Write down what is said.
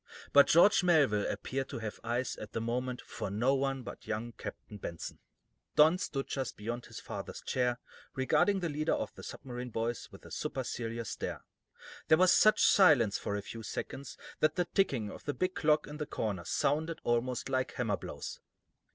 But George Melville appeared to have eyes, at that moment, for no one but young Captain John Benson. Don stood just beyond his father's chair, regarding the leader of the submarine boys with a supercilious stare. There was such silence, for a few seconds, that the ticking of the big clock in the corner sounded almost like hammer blows.